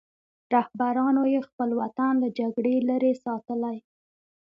رهبرانو یې خپل وطن له جګړې لرې ساتلی.